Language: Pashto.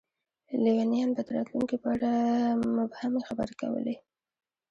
لیونیان به د راتلونکي په اړه مبهمې خبرې کولې.